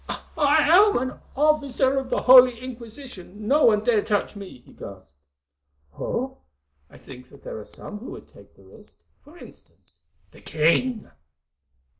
"I am an officer of the Holy Inquisition; no one dare touch me," he gasped. "Oh! I think that there are some who would take the risk. For instance—the king."